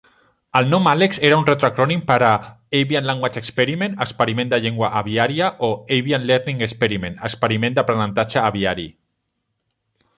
El nom "Alex" era un retroacrònim per a "avian language experiment" (experiment de llengua aviària) o "avian learning experiment" (experiment d'aprenentatge aviari).